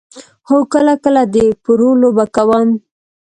هو، کله کله د پرو لوبه کوم